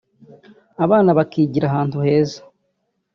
abana bakigira ahantu heza